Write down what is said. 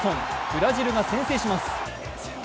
ブラジルが先制します。